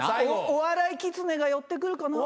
お笑いキツネが寄ってくるかな？